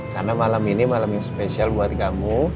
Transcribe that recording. karena malam ini malam yang spesial buat kamu